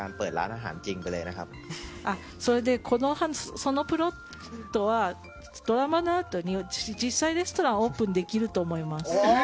そのプロットならドラマのあとに実際、レストランをオープンできると思います。